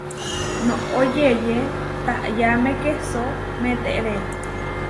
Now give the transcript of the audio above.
Noʼó yeʼyé taʼyáme kehsó meteré.